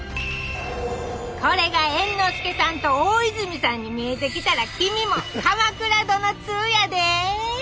これが猿之助さんと大泉さんに見えてきたら君も鎌倉殿通やで。